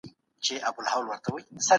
که انلاین ښوونه وي، نو دا اصول کمزوري وي.